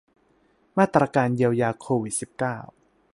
มาตรการเยียวยาโควิด สิบเก้า